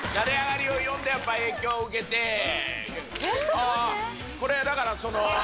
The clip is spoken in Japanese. あこれだからその。